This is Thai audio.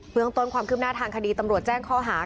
เมืองต้นความคืบหน้าทางคดีตำรวจแจ้งข้อหา